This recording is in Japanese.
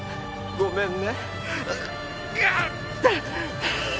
ごめんね。